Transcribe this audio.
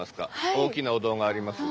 大きなお堂があります。